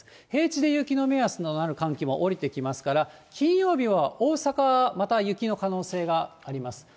平地で雪の目安となる寒気も下りてきますから、金曜日は大阪、また雪の可能性があります。